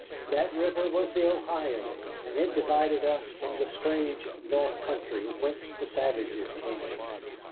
That river was the Ohio, and it divided us from the strange north country whence the savages came.